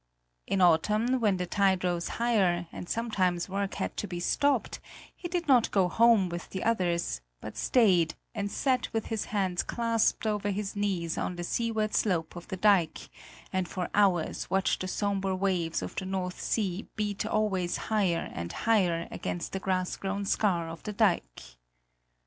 In autumn, when the tide rose higher and sometimes work had to be stopped, he did not go home with the others, but stayed and sat with his hands clasped over his knees on the seaward slope of the dike, and for hours watched the sombre waves of the North Sea beat always higher and higher against the grass grown scar of the dike.